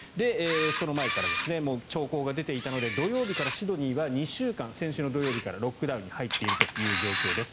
その前から、兆候が出ていたので土曜日からシドニーは２週間、先週の土曜日からロックダウンに入っているという状況です。